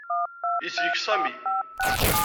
Yeslek Sami.